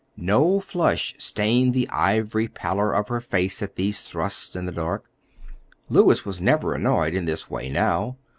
No flush stained the ivory pallor of her face at these thrusts in the dark; Louis was never annoyed in this way now.